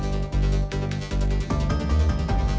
มีความรู้สึกว่ามีความรู้สึกว่า